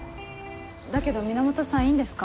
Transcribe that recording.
だけど源さんいいんですか？